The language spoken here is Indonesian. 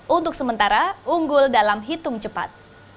untuk sementara unggul dalam hitung cepat